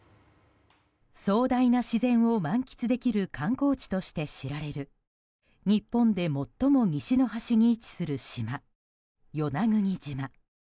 壮大な自然を満喫できる観光地として知られる日本で最も西の端に位置する島与那国島。